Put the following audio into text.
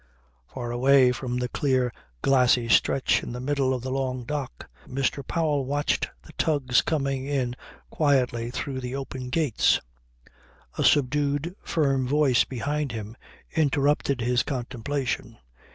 Far away down the clear glassy stretch in the middle of the long dock Mr. Powell watched the tugs coming in quietly through the open gates. A subdued firm voice behind him interrupted this contemplation.